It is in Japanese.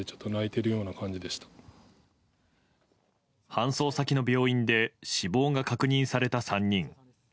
搬送先の病院で死亡が確認された３人。